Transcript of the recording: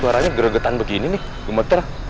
suaranya geregetan begini nih gue mikir